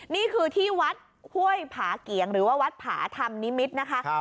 นี่คือที่วัดห้วยผาเกียงหรือว่าวัดผาธรรมนิมิตรนะคะ